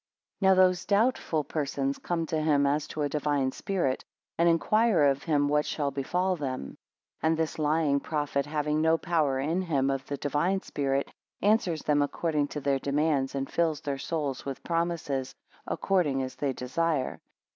Now those doubtful persons come to him, as to a divine spirit, and inquire of him what shall befall them. 5 And this lying prophet, having no power in him of the Divine Spirit, answers them according to their demands, and fills their souls with promises according as they desire.